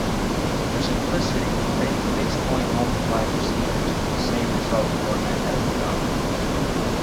For simplicity, many fixed-point multiply procedures use the same result format as the operands.